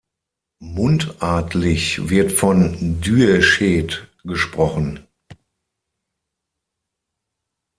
Mundartlich wird von "Dü‘esched" gesprochen.